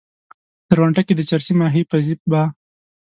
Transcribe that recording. درونټه کې د چرسي ماهي پزي به